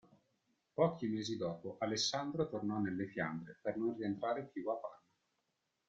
Pochi mesi dopo Alessandro tornò nelle Fiandre per non rientrare più a Parma.